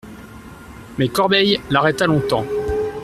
Mais Corbeil l'arrêta longtemps.